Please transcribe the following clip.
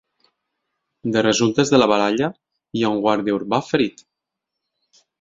De resultes de la baralla, hi ha un guàrdia urbà ferit.